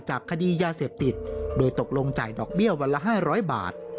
คดียาเสพติดโดยตกลงจ่ายดอกเบี้ยวันละ๕๐๐บาท